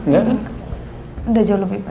nggak jauh lebih baik